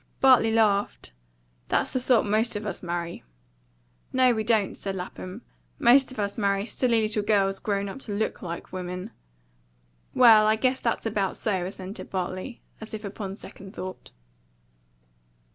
Bartley laughed. "That's the sort most of us marry." "No, we don't," said Lapham. "Most of us marry silly little girls grown up to LOOK like women." "Well, I guess that's about so," assented Bartley, as if upon second thought.